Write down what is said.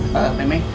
peh peh peh